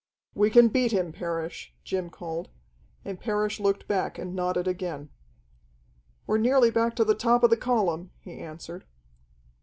"We can beat him, Parrish!" Jim called, and Parrish looked back and nodded again. "We're nearly back to the top of the column," he answered.